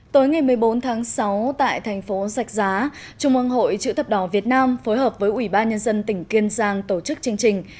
tối ngày một mươi bốn tháng sáu tại thành phố sạch giá trung ương hội chữ thập đỏ việt nam phối hợp với ủy ban nhân dân tỉnh kiên giang tổ chức chương trình